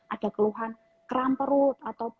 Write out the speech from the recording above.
ada keluhan keram perut atau